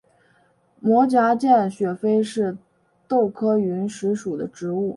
膜荚见血飞是豆科云实属的植物。